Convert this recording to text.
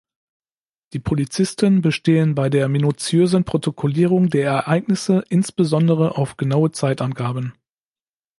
Die Polizisten bestehen bei der minutiösen Protokollierung der Ereignisse insbesondere auf genaue Zeitangaben.